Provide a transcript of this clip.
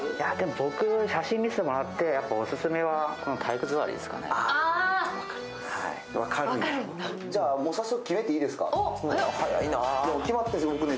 僕、写真見せてもらって、オススメはこの体育座りですかね。